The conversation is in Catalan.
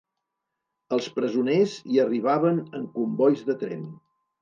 Els presoners hi arribaven en combois de tren.